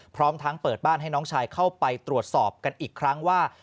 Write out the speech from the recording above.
พร้อมทั้งเปิดบ้านให้น้องชายเข้าไปตรวจสอบกันอีกครั้งว่า